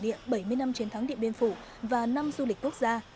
điện biên có hơn bảy mươi năm chiến thắng điện biên phủ và năm du lịch quốc gia